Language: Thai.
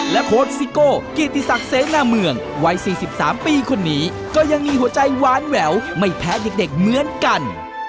โค้ชซิโก้เกียรติศักดิ์เสนาเมืองวัย๔๓ปีคนนี้ก็ยังมีหัวใจหวานแหววไม่แพ้เด็กเหมือนกัน